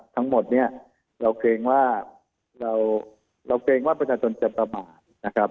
ทั้งหมดเนี่ยเราเกรงว่าเราเกรงว่าประชาชนจะประมาทนะครับ